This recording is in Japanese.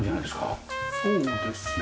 そうですね。